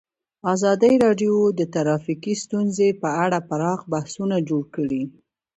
ازادي راډیو د ټرافیکي ستونزې په اړه پراخ بحثونه جوړ کړي.